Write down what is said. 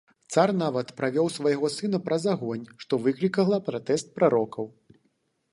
Цар нават правёў свайго сына праз агонь, што выклікала пратэст прарокаў.